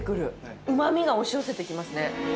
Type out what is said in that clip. うま味が押し寄せてきますね。